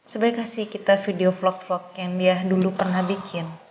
sebenarnya kasih kita video vlog vlog yang dia dulu pernah bikin